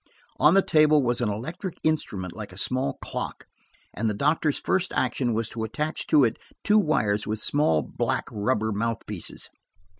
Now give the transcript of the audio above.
On the table was an electric instrument like a small clock, and the doctor's first action was to attach to it two wires with small, black rubber mouthpieces.